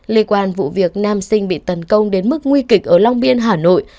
liên quan vụ việc nam sinh bị tấn công đến mức nguy kịch ở long biên hà nội